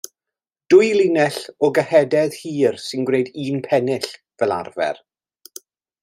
Dwy linell o gyhydedd hir sy'n gwneud un pennill fel arfer.